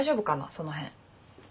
その辺。